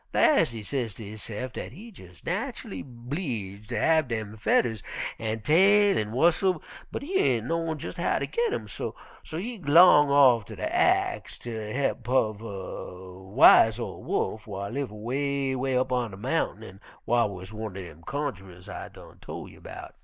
Las' he say ter hisse'f dat he jes' natchully 'bleeged ter have dem fedders an' tail an' whustle, but he ain' knowin' jes' how ter git 'em, so he g'long off ter ax de he'p uv a wise ol' Wolf whar live 'way, 'way up on de mountain an' whar wuz one'r dem cunjerers I done tol' you 'bout.